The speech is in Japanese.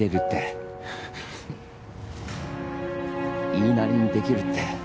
言いなりにできるって？